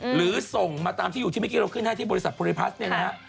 หรือส่งมาตามที่อยู่ที่เมกิโลกขึ้นให้ที่บริษัทโพรีพัศน์เนี่ยนะฮะ